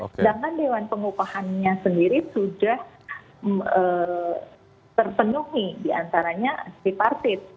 sedangkan dewan pengupahannya sendiri sudah terpenuhi diantaranya tripartit